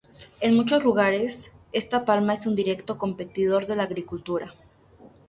En muchos lugares, esta palma es un directo competidor de la agricultura.